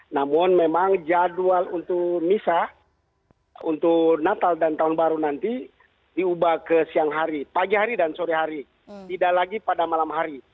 namun memang jadwal untuk misa untuk natal dan tahun baru nanti diubah ke siang hari pagi hari dan sore hari tidak lagi pada malam hari